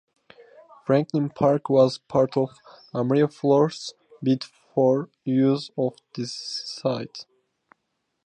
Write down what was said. Franklin Park was part of AmeriFlora's bid for use of the site.